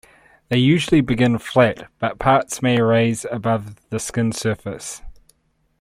They usually begin flat, but parts may raise above the skin surface.